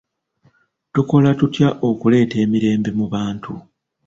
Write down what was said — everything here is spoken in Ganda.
Tukole tutya okuleeta emirembe mu bantu?